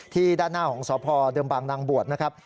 ด้านหน้าของสพเดิมบางนางบวชนะครับ